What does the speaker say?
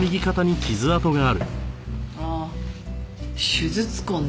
ああ手術痕ね。